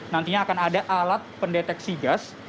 nantinya akan ada alat pendeteksi gas